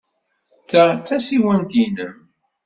Ta d tasiwant-nnem?